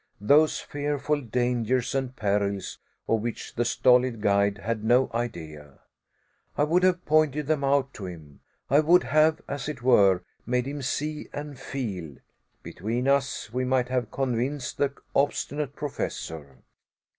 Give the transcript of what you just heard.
Those fearful dangers and perils of which the stolid guide had no idea, I would have pointed them out to him I would have, as it were, made him see and feel. Between us, we might have convinced the obstinate Professor.